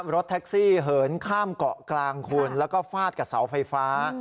รถแท็กซี่เหินข้ามเกาะกลางคุณแล้วก็ฟาดกับเสาไฟฟ้า